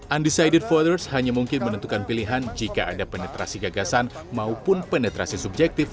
undecided voters hanya mungkin menentukan pilihan jika ada penetrasi gagasan maupun penetrasi subjektif